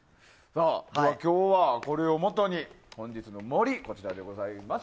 今日はこれをもとに本日の森こちらです。